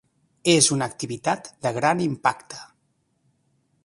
És una activitat de gran impacte.